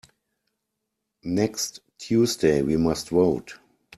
Next Tuesday we must vote.